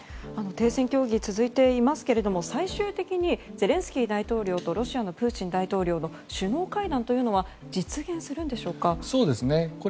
停戦協議、続いていますが最終的に、ゼレンスキー大統領とロシアのプーチン大統領の首脳会談というのは実現するのでしょうか。